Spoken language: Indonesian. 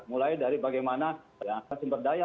mulai dari bagaimana sumber daya